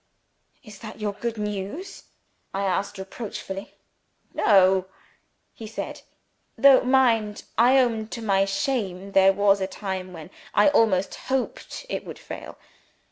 "Is that your good news?" I asked reproachfully. "No," he said. "Though, mind, I own to my shame there was a time when I almost hoped it would fail.